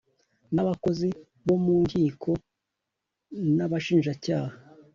n Abakozi bo mu Nkiko n Abashinjacyaha